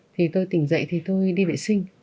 thì tôi tỉnh dậy thì tôi đi vệ sinh